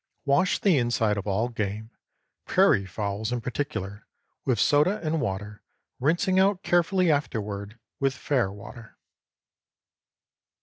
Wash the inside of all game—prairie fowls in particular—with soda and water, rinsing out carefully afterward with fair water.